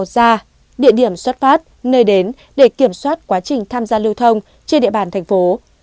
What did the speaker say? ra địa điểm xuất phát nơi đến để kiểm soát quá trình tham gia lưu thông trên địa bàn thành phố